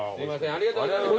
ありがとうございます。